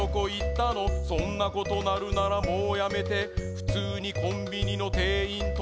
そんなことなるならもうやめてふつうにコンビニのてんいんと